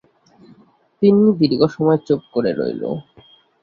তিন্নি দীর্ঘ সময় চুপ করে রইল।